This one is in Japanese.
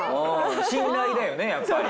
信頼だよねやっぱり。